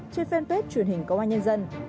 trên fanpage truyền hình công an nhân dân